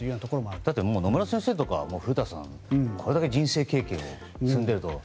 だって野村先生とか古田さんみたいに人生経験を積んでいると。